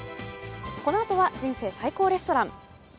このあとは「人生最高レストラン」。